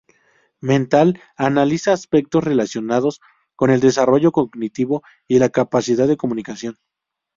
Mental: Analiza aspectos relacionados con el desarrollo cognitivo y la capacidad de comunicación.